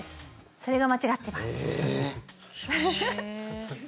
それが間違ってます。